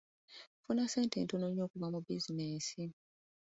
Nfuna ssente ntono nnyo okuva mu bizinensi.